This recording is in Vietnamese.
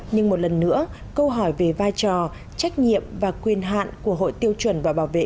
nhưng một lần nữa câu hỏi về vai trò trách nhiệm và quyền hạn của hội tiêu chuẩn và bảo vệ